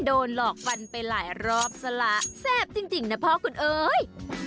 โดนหลอกฟันไปหลายรอบซะละแซ่บจริงนะพ่อคุณเอ้ย